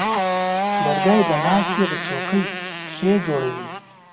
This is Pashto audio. لرګی د ناستې د چوکۍ پښې جوړوي.